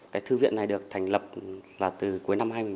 cái thư viện này được thành lập là từ cuối năm hai nghìn bốn